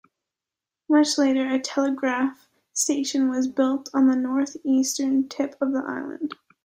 Much later a telegraph station was built on the north-eastern tip of the island.